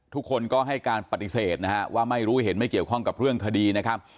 ทุกคนก็ให้การปฏิเสธนะฮะว่าไม่รู้เห็นไม่เกี่ยวข้องกับเรื่องคดีนะครับ